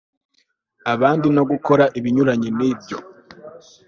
abandi no gukora ibinyuranye n'ibyo